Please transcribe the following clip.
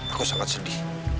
aku sangat sedih